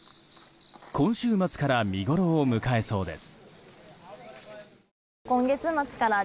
今週末から見ごろを迎えそうです。